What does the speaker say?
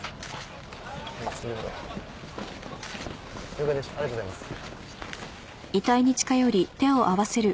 了解ですありがとうございます。